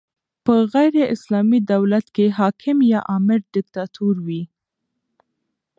په غیري اسلامي دولت کښي حاکم یا امر ډیکتاتور يي.